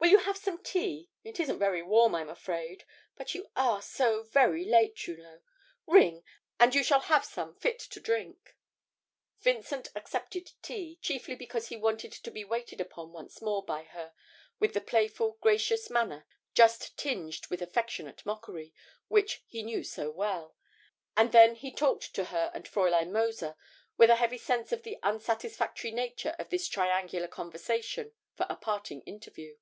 Will you have some tea? It isn't very warm, I'm afraid, but you are so very late, you know. Ring, and you shall have some fit to drink.' Vincent accepted tea, chiefly because he wanted to be waited upon once more by her with the playful, gracious manner, just tinged with affectionate mockery, which he knew so well; and then he talked to her and Fräulein Mozer, with a heavy sense of the unsatisfactory nature of this triangular conversation for a parting interview.